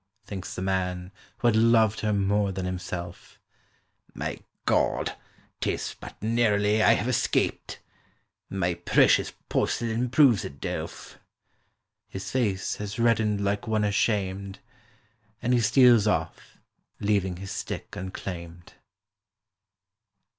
Thinks the man who had loved her more than himself; "My God—'tis but narrowly I have escaped.— My precious porcelain proves it delf." His face has reddened like one ashamed, And he steals off, leaving his stick unclaimed.